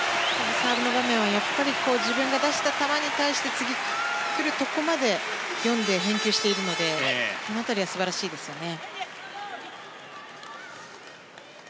サーブの場面をやっぱり自分が出した球に対して次、来るところまで読んで返球しているのであの辺りは素晴らしいですよね。